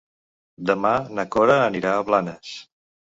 Demà na Cora anirà a Blanes.